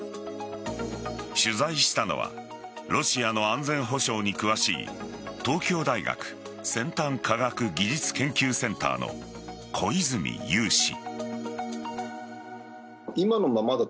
取材したのはロシアの安全保障に詳しい東京大学先端科学技術研究センターの小泉悠氏。